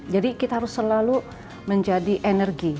jadi kita harus selalu menjadi energi